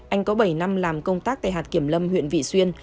anh có bảy năm làm công tác tại hạt kiểm lâm huyện vị xuyên